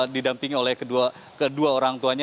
didampingi oleh kedua orang tuanya